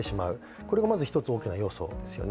これがまず一つ大きな要素ですよね。